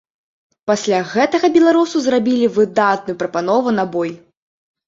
Пасля гэтага беларусу зрабілі выдатную прапанову на бой.